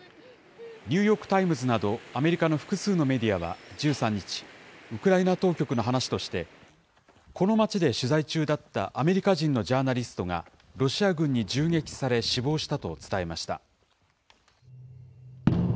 ニューヨーク・タイムズなどアメリカの複数のメディアは１３日、ウクライナ当局の話として、この街で取材中だったアメリカ人のジャーナリストが、ロシア軍に銃撃され、死亡したと伝えました。